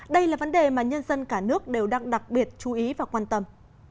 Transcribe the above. đây là vấn đề mà nhân dân cả nước đều đang đặc biệt chú ý và quan tâm